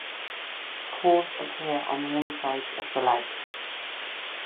Pores appear on the insides of the legs.